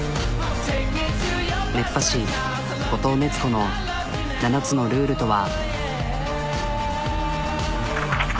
熱波師五塔熱子の７つのルールとは。